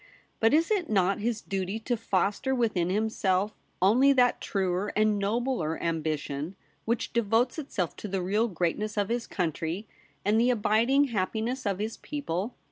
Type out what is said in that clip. But is it not his duty to foster within himself only that truer and nobler ambition which devotes itself to the real greatness of his country, and the abiding happiness of his people